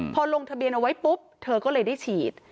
พอลงทะเบียนเอาไว้ปุ๊บเธอก็เลยได้ฉีด